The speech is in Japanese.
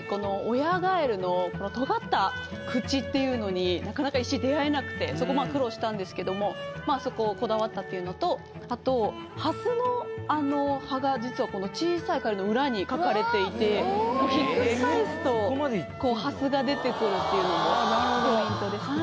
親ガエルのとがった口っていうのになかなか石出会えなくてそこ苦労したんですけどそこをこだわったっていうのとあと蓮の葉が実は小さいカエルの裏に描かれていてひっくり返すとこう蓮が出てくるっていうのもポイントです。